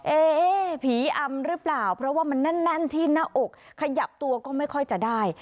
เอ๊ผีอำหรือเปล่าเพราะว่ามันแน่นที่หน้าอกขยับตัวก็ไม่ค่อยจะได้